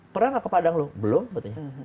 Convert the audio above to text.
pernah nggak ke padang loh belum katanya